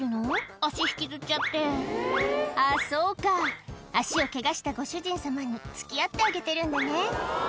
足引きずっちゃってあっそうか足をケガしたご主人様に付き合ってあげてるんだね